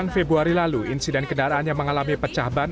sembilan februari lalu insiden kendaraannya mengalami pecah ban